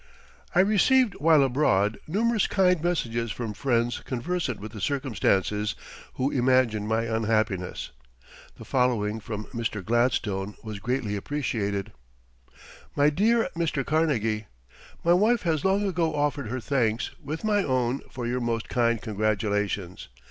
I received, while abroad, numerous kind messages from friends conversant with the circumstances, who imagined my unhappiness. The following from Mr. Gladstone was greatly appreciated: MY DEAR MR. CARNEGIE, My wife has long ago offered her thanks, with my own, for your most kind congratulations.